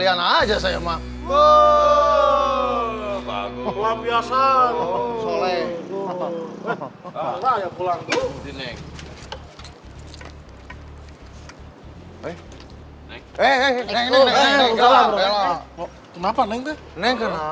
ya gara gara saya belain abah